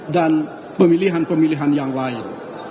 dan pemilihan pemilihan yang lain